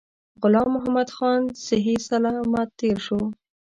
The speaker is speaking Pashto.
غلام محمدخان صحی سلامت تېر شو.